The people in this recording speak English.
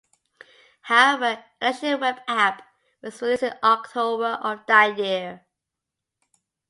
However, an election web app was released in October of that year.